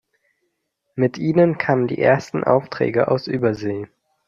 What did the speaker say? Mit ihnen kamen die ersten Aufträge aus Übersee.